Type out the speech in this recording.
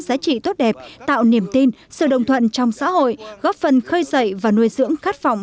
giá trị tốt đẹp tạo niềm tin sự đồng thuận trong xã hội góp phần khơi dậy và nuôi dưỡng khát phòng